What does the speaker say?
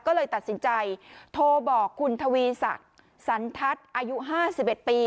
ก็เลยตัดสินใจโทรบอกคุณทวีศักดิ์สันทัศน์อายุ๕๑ปี